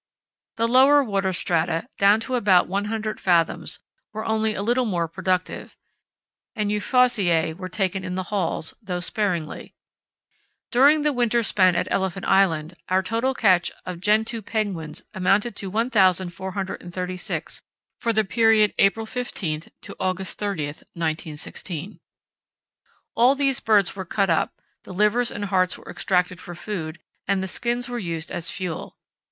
The lower water strata, down to about 100 fathoms, were only a little more productive, and Euphausiæ were taken in the hauls—though sparingly. During the winter spent at Elephant Island, our total catch of gentoo penguins amounted to 1436 for the period April 15 to August 30, 1916. All these birds were cut up, the livers and hearts were extracted for food, and the skins were used as fuel.